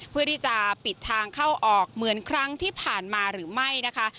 เพื่อที่จะปิดทางเข้าออกเหมือนครั้งที่ผ่านมาหรือไม่นะคะ